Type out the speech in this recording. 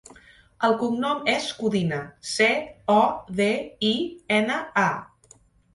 El cognom és Codina: ce, o, de, i, ena, a.